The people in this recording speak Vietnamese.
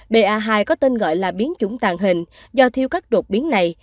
ba hai có tên gọi là biến chủng tàn hình do thiếu các đột biến này